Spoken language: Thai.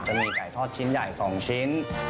จะมีไก่ทอดชิ้นใหญ่๒ชิ้น